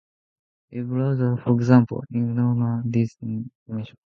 Web browsers, for example, ignore any density information.